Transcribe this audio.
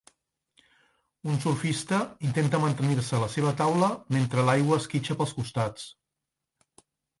Un surfista intenta mantenir-se a la seva taula mentre l'aigua esquitxa pels costats.